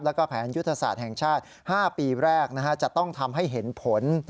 แล้วก็แผนยุทธศาสตร์แห่งชาติ๕ปีแรกจะต้องทำให้เห็นผล